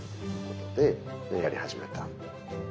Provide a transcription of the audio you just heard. でやり始めた。